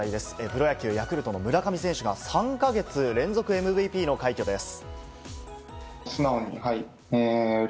プロ野球ヤクルトの村上選手が３か月連続ＭＶＰの快挙です。